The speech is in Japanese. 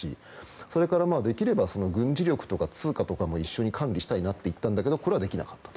それからできれば軍事力とか通貨とかも一緒に管理したいなって言ったんだけどこれはできなかったと。